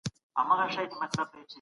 که سټیپلر وي نو اسناد نه پاشل کیږي.